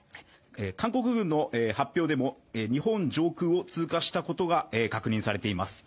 韓国軍の発表でも日本上空を通過したことが確認されています。